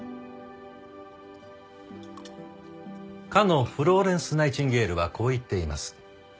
かのフローレンス・ナイチンゲールはこう言っています。